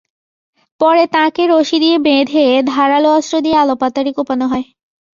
পরে তাঁকে রশি দিয়ে বেঁধে ধারালো অস্ত্র দিয়ে এলোপাতাড়ি কোপানো হয়।